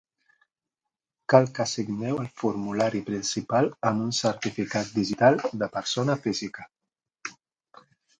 Cal que signeu el formulari principal amb un certificat digital de Persona Física.